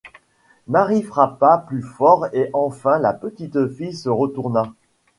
Marie frappa plus fort et enfin la petite fille se retourna.